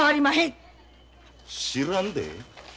知らんで。